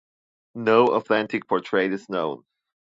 No authentic portrait is known.